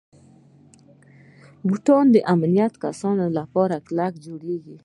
بوټونه د امنیتي کسانو لپاره کلک جوړېږي.